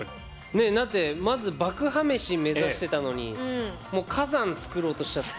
ねえだってまず爆破メシ目指してたのにもう火山作ろうとしちゃって。